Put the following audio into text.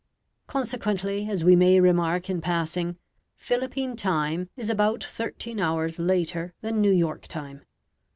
Consequently, as we may remark in passing, Philippine time is about thirteen hours later than New York time.